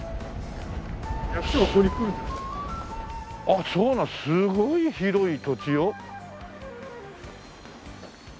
あっそうなのすごい広い土地よ。